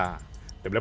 dpr cnn indonesia